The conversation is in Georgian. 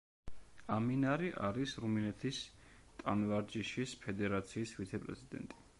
ამინარი არის რუმინეთის ტანვარჯიშის ფედერაციის ვიცე-პრეზიდენტი.